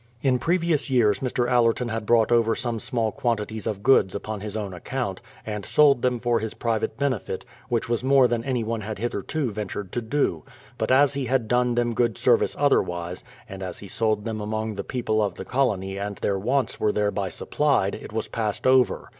In previous years Mr. Allerton had brought over some small quantities of goods upon his own account, and sold them for his private benefit, which was more than any one had hitherto ventured to do. But as he had done them good service otherwise, and as he sold them among the people of the colony and their wants were thereby supplied, it was passed over.